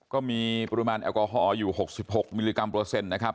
ก็มีปรูมันแอลกอฮอล์อยู่หกสิบหกมิลลี่คัมเปอร์เซ็นต์นะครับ